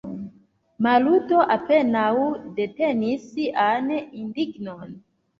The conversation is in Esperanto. Maluto apenaŭ detenis sian indignon.